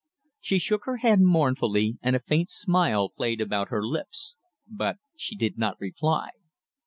She shook her head mournfully, and a faint smile played about her lips. But she did not reply.